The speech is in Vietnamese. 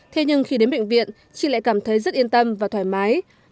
thế nhưng khi đến bệnh viện chị lại cảm thấy rất yên tâm và thoải mái